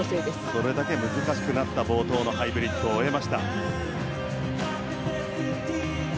それだけ難しくなった冒頭のハイブリッドを終えた。